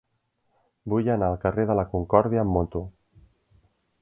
Vull anar al carrer de la Concòrdia amb moto.